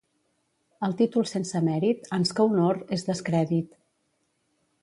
El títol sense mèrit, ans que honor, és descrèdit.